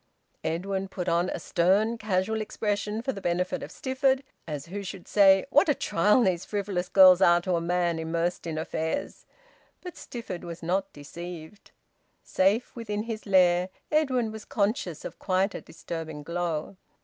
Edwin put on a stern, casual expression for the benefit of Stifford, as who should say: "What a trial these frivolous girls are to a man immersed in affairs!" But Stifford was not deceived. Safe within his lair, Edwin was conscious of quite a disturbing glow.